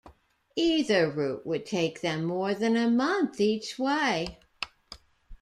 Either route would take them more than a month each way.